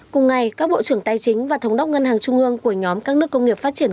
cùng ngày các bộ trưởng tài chính và thống đốc ngân hàng trung ương của nhóm các nước công nghiệp phát triển